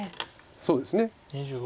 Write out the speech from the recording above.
そうですね。